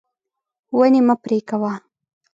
ونې مه پرې کوه.